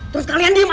terus kalian diem aja